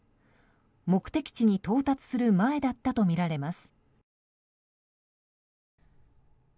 目的地に到達する前だったとみられます。